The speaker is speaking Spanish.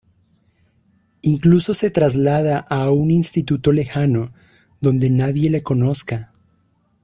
Incluso se traslada a un instituto lejano donde nadie le conozca.